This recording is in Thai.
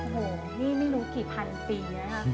โหนี่ไม่รู้กี่พันปีนะเปรียบความสุด